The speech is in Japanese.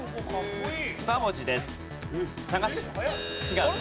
違う。